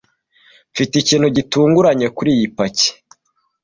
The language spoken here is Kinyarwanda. Mufite ikintu gitunguranye kuri iyi paki.